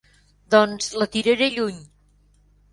Doncs la tiraré lluny.